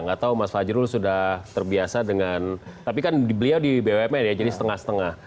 nggak tahu mas fajrul sudah terbiasa dengan tapi kan beliau di bumn ya jadi setengah setengah